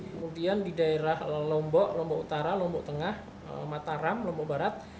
kemudian di daerah lombok lombok utara lombok tengah mataram lombok barat